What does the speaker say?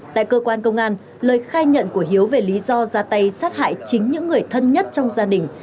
tại cơ quan công an lời khai nhận của hiếu về lý do ra tay sát hại chính những người thân nhất trong gia đình